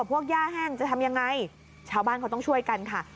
พวกหญ้าแห้งจะทำยังไงชาวบ้านเป็นคนช่วยกันค่ะ